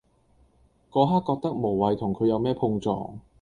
嗰刻覺得無謂同佢有咩碰撞